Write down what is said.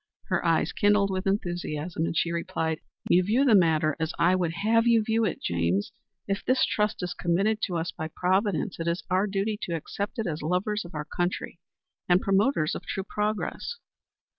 Her eyes kindled with enthusiasm, and she replied: "You view the matter as I would have you view it, James. If this trust is committed to us by Providence, it is our duty to accept it as lovers of our country and promoters of true progress."